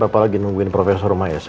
apa lagi nungguin profesor rumah ya